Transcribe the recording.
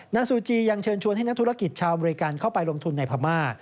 ซูจียังเชิญชวนให้นักธุรกิจชาวอเมริกันเข้าไปลงทุนในพม่า